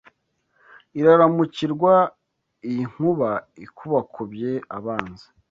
Iraramukirwa iyi Nkuba Ikubakubye abanzi